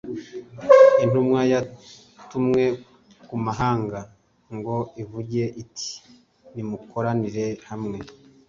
intumwa yatumwe ku mahanga ngo ivuge iti nimukoranire hamwe